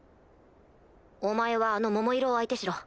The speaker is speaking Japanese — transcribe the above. お前はあの桃色を相手しろ。